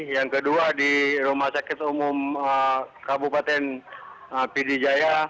yang kedua di rumah sakit umum kabupaten pd jaya